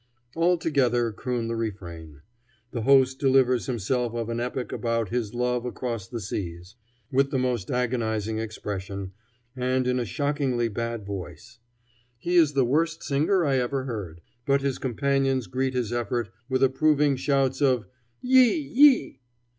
All together croon the refrain. The host delivers himself of an epic about his love across the seas, with the most agonizing expression, and in a shockingly bad voice. He is the worst singer I ever heard; but his companions greet his effort with approving shouts of "Yi!